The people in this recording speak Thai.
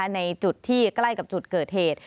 ในจุดที่ใกล้กับจุดเกิดเหตุ